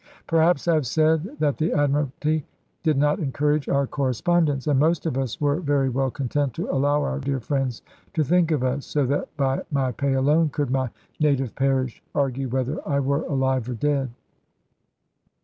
Perhaps I have said that the Admiralty did not encourage our correspondence; and most of us were very well content to allow our dear friends to think of us. So that by my pay alone could my native parish argue whether I were alive or dead.